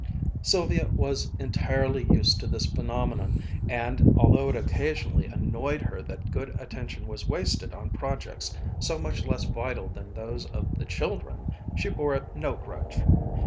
Sylvia was entirely used to this phenomenon and, although it occasionally annoyed her that good attention was wasted on projects so much less vital than those of the children, she bore it no grudge.